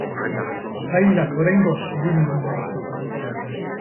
Sailak oraingoz bi liburu ditu.